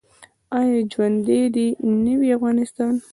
آیا ژوندی دې نه وي افغانستان؟